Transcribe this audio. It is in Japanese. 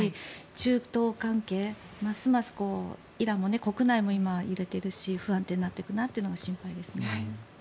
中東関係、ますますイラン国内も今、揺れているし不安定になっていくなというのが心配ですね。